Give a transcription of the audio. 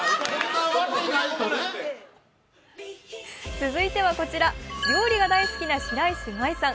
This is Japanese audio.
続いてはこちら、料理が大好きな白石麻衣さん。